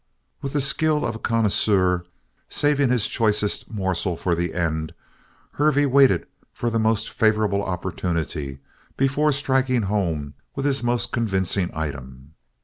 With the skill of a connoisseur, saving his choicest morsel for the end, Hervey had waited for the most favorable opportunity before striking home with his most convincing item.